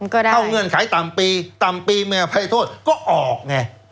เข้าเงื่อนไขต่ำปีต่ำปีมีอภัยโทษก็ออกไง